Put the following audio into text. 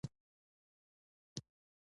نه رسیږې